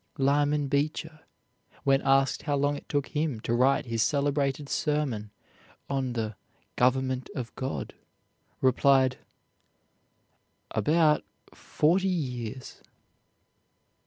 Lyman Beecher when asked how long it took him to write his celebrated sermon on the "Government of God," replied, "About forty years."